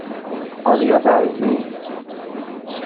آریابرزین